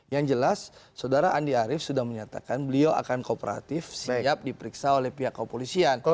yang jelas saudara andi arief sudah menyatakan beliau akan kooperatif siap diperiksa oleh pihak kepolisian